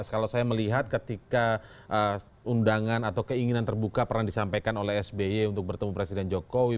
kalau saya melihat ketika undangan atau keinginan terbuka pernah disampaikan oleh sby untuk bertemu presiden jokowi